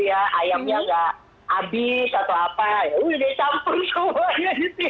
ayamnya nggak habis atau apa ya udah campur semuanya di sini